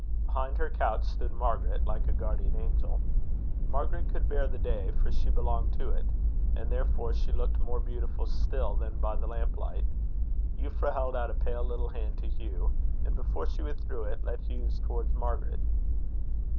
Behind her couch stood Margaret, like a guardian angel. Margaret could bear the day, for she belonged to it; and therefore she looked more beautiful still than by the lamp light. Euphra held out a pale little hand to Hugh, and before she withdrew it, led Hugh's towards Margaret.